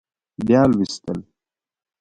بیا لوستل